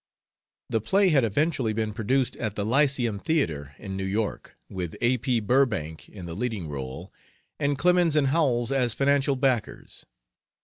The play had eventually been produced at the Lyceum Theatre in New York, with A. P. Burbank in the leading role, and Clemens and Howells as financial backers.